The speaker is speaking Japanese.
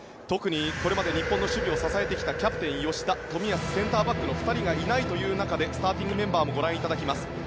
特に、これまで日本の守備を支えてきたキャプテン吉田冨安、センターバックの２人がいないという中でスターティングメンバーもご覧いただきます。